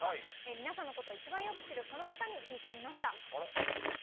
皆さんのことを一番よく知るこの方に聞きました。